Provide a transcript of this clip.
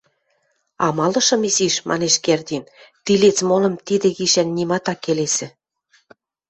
— Амалышым изиш, — манеш Кердин, тилец молым тидӹ гишӓн нимат ак келесӹ.